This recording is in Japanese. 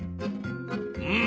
うん！